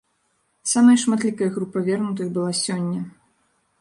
Самая шматлікая група вернутых была сёння.